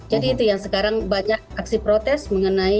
jadi itu yang sekarang banyak aksi protes mengenai itu